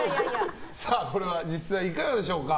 実際いかがでしょうか。